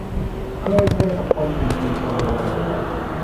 เคยแชร์กับคนอีกกี่คนในเวลาเดียวกัน ?